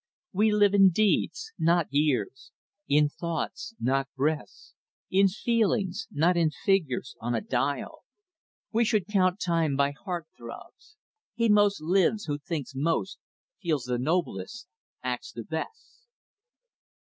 "We live in deeds, not years; in thoughts, not breaths; In feelings, not in figures on a dial. We should count time by heart throbs. He most lives, Who thinks most, feels the noblest, acts the best."